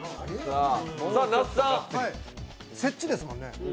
設置ですもんね。